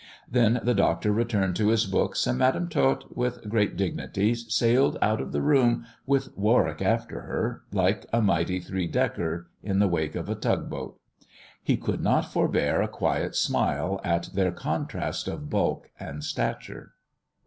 Then the doctor returned to his books, and Madam Tot, with great dignity, sailed out of the room, with Warwick after her, like a mighty three decker in the wake of a tug boat. He could not forbear a quiet smile at their contrast of bulk and stature.